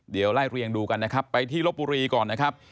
เดี๋ยวไล่เรียงดูกันนะครับไปที่ลบบุรีก่อนนะครับ